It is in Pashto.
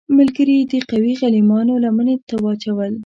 ملګري یې د قوي غلیمانو لمنې ته واچول.